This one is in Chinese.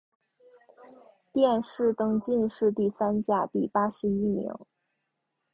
殿试登进士第三甲第八十一名。